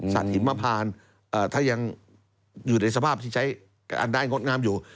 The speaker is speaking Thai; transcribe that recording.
หิมพานถ้ายังอยู่ในสภาพที่ใช้อันได้งดงามอยู่